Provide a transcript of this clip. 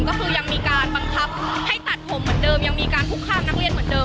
ก็คือยังมีการบังคับให้ตัดผมเหมือนเดิมยังมีการคุกคามนักเรียนเหมือนเดิ